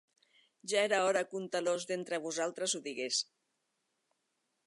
Ja era hora que un talòs d'entre vosaltres ho digués.